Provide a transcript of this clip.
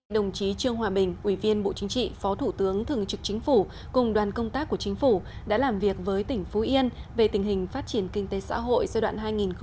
đồng chí trương hòa bình ủy viên bộ chính trị phó thủ tướng thường trực chính phủ cùng đoàn công tác của chính phủ đã làm việc với tỉnh phú yên về tình hình phát triển kinh tế xã hội giai đoạn hai nghìn một mươi sáu hai nghìn hai mươi